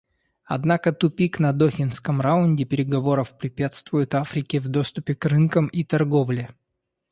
Однако тупик на Дохинском раунде переговоров препятствует Африке в доступе к рынкам и торговле.